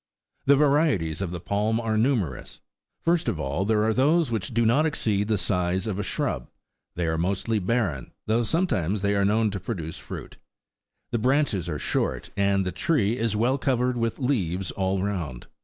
The varieties of the palm are numerous. First of all, there are those which do not exceed the size of a shrub ; they are mostly barren, though sometimes they are known to produce fruit ; the branches are short, and the tree is well covered with leaves all round.